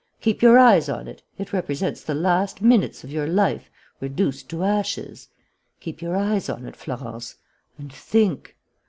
Keep your eyes on it. It represents the last minutes of your life reduced to ashes. Keep your eyes on it, Florence, and think.